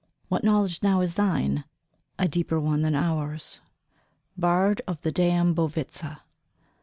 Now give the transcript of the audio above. What knowledge now is thine? A deeper one than ours. BARD OF THE DÂMBOVITZA.